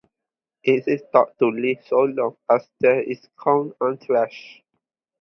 It is thought to live so long as there is corn unthreshed.